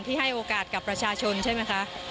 ให้โอกาสกับประชาชนใช่ไหมคะ